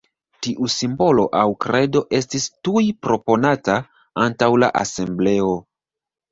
Tiu simbolo aŭ kredo estis tuj proponata antaŭ la asembleo.